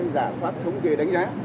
giả pháp thống kê đánh giá